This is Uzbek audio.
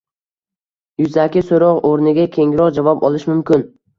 yuzaki so‘roq o‘rniga kengroq javob olish mumkin